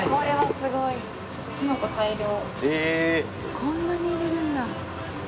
こんなに入れるんだ。